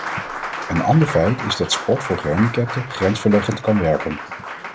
Een ander feit is dat sport voor gehandicapten grensverleggend kan werken.